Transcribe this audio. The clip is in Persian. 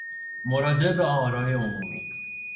مراجعه به آرای عمومی